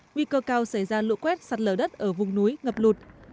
nguy cơ cao xảy ra lũ quét sạt lở đất ở vùng núi ngập lụt